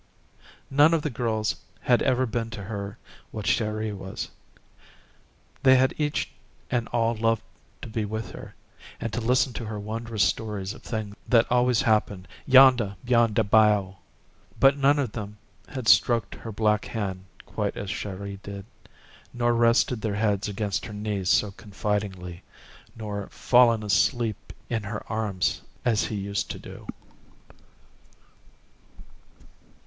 None of the girls had ever been to her what Chéri was. They had each and all loved to be with her, and to listen to her wondrous stories of things that always happened "yonda, beyon' de bayou." But none of them had stroked her black hand quite as Chéri did, nor rested their heads against her knee so confidingly, nor fallen asleep in her arms as he used to do.